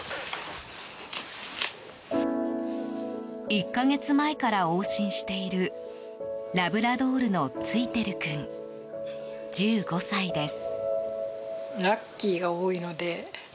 １か月前から往診しているラブラドールのツイテル君１５歳です。